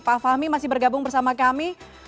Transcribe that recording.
pak fahmi masih bergabung bersama kami